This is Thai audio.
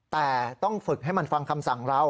แต่ต้องฝึกให้มันฟังคำสั่งเรา